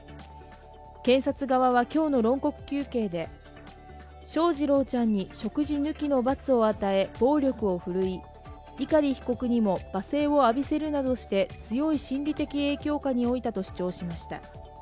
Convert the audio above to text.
検察側は今日の論告求刑で、翔士郎ちゃんに食事抜きの罰を与え、暴力を振るい、碇被告にも罵声を浴びせるなどして強い心理的影響下に置いたと主張しました。